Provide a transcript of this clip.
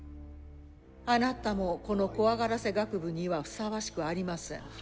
あなたもこの怖がらせ学部にはふさわしくありません。